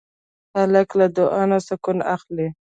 هلک له دعا نه سکون اخلي.